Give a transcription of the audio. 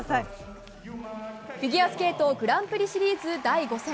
フィギュアスケートグランプリシリーズ第５戦。